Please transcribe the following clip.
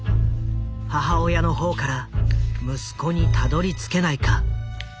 母親の方から息子にたどりつけないか？